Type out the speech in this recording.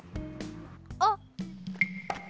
あっ！